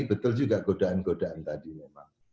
betul juga godaan godaan tadi memang